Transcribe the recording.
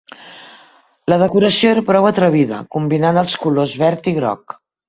La decoració era prou atrevida, combinant els colors verd i groc.